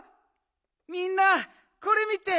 みんなこれ見て！